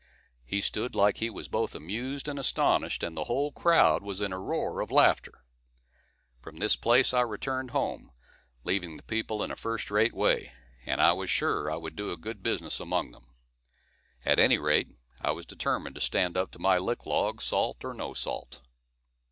He stood like he was both amused and astonished, and the whole crowd was in a roar of laughter. From this place I returned home, leaving the people in a first rate way; and I was sure I would do a good business among them. At any rate, I was determined to stand up to my lick log, salt or no salt.